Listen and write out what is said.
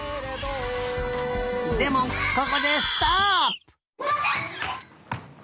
でもここでストップ！